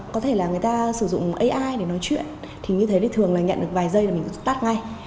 có thể là người ta sử dụng ai để nói chuyện thì như thế thì thường là nhận được vài giây là mình stat ngay